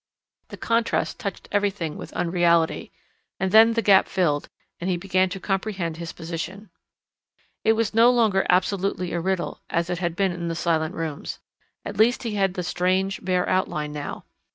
The contrast touched everything with unreality. And then the gap filled, and he began to comprehend his position. It was no longer absolutely a riddle, as it had been in the Silent Rooms. At least he had the strange, bare outline now.